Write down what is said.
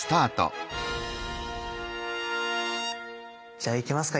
じゃあいきますか！